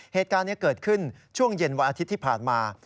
เหตุการณ์นี้เกิดขึ้นช่วงเย็นวันอาทิตย์ที่ผ่านมา